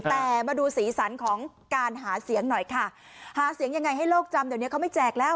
แต่มาดูสีสันของการหาเสียงหน่อยค่ะหาเสียงยังไงให้โลกจำเดี๋ยวนี้เขาไม่แจกแล้ว